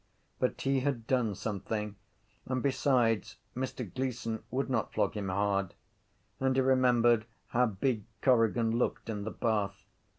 But he had done something and besides Mr Gleeson would not flog him hard: and he remembered how big Corrigan looked in the bath.